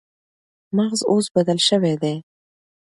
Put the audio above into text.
مغز اوس بدل شوی دی.